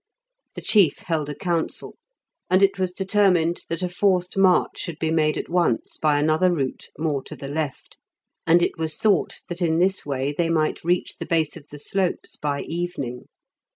The chief held a council, and it was determined that a forced march should be made at once by another route, more to the left, and it was thought that in this way they might reach the base of the slopes by evening.